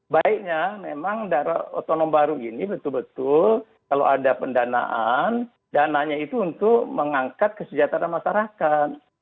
baiknya memang daerah otonom baru ini betul betul kalau ada pendanaan dananya itu untuk mengangkat kesejahteraan masyarakat